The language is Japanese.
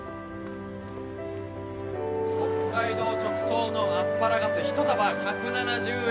北海道直送のアスパラガス１束１７０円。